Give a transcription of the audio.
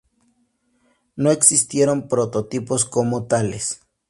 No existieron prototipos como tales.